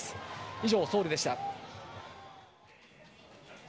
以上、ソウルでした。